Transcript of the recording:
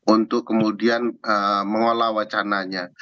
untuk kemudian mengolah wacananya